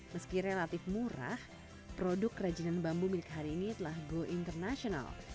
meski relatif murah produk kerajinan bambu milik hari ini telah go international